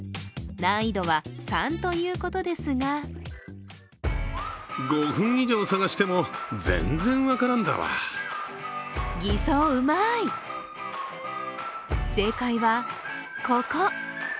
難易度は３ということですが正解はここ。